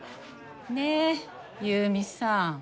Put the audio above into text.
ねえ優美さん。